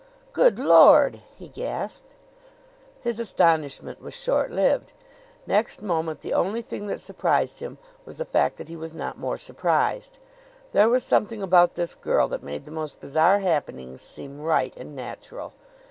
"Good Lord!" he gasped. His astonishment was short lived. Next moment the only thing that surprised him was the fact that he was not more surprised. There was something about this girl that made the most bizarre happenings seem right and natural.